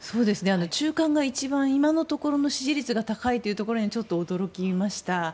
中間が今のところの支持率が高いことにちょっと驚きました。